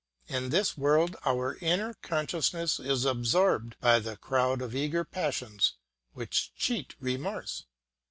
In this world our inner consciousness is absorbed by the crowd of eager passions which cheat remorse.